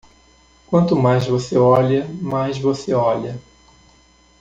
Quanto mais você olha, mais você olha